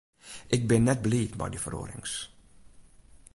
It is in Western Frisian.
Ik bin net bliid mei dy feroarings.